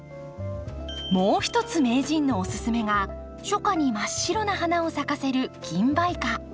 もう一つ名人のおすすめが初夏に真っ白な花を咲かせるキンバイカ。